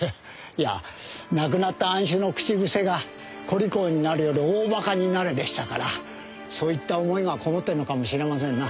いやぁ亡くなった庵主の口癖が「小利口になるより大馬鹿になれ」でしたからそういった思いがこもってるのかもしれませんな。